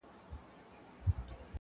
لا د چا سترگه په سيخ ايستل كېدله،